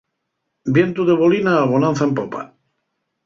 Vientu de bolina, bonanza en popa.